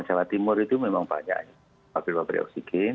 jawa timur itu memang banyak pabrik pabrik oksigen